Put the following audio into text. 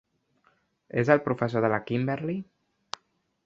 És el professor de la Kimberly?